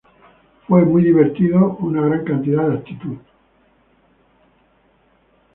Fue muy divertido una gran cantidad de actitud.